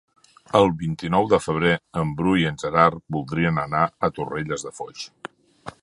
El vint-i-nou de febrer en Bru i en Gerard voldrien anar a Torrelles de Foix.